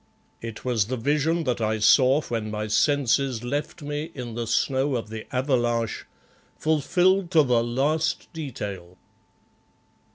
It was the vision that I saw when my senses left me in the snow of the avalanche, fulfilled to the last detail!